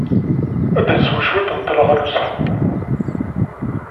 Ad nsew cwiṭ n teɣlust?